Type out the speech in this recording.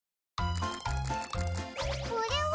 これは。